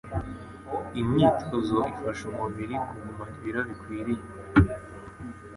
imyitozo Ifasha umubiri kugumana ibiro bikwiriye